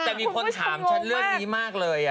แต่มีคนถามฉันเรื่องนี้มากเลย